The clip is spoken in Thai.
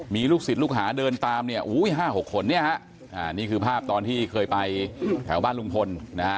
มีลูกศิษย์ลูกหาเดินตาม๕๖คนนี่คือภาพตอนที่เคยไปแถวบ้านลุงพล